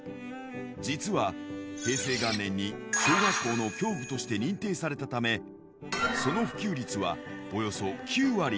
実は、平成元年に小学校の教具として認定されたため、その普及率はおよそ９割。